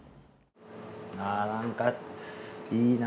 あぁなんかいいな。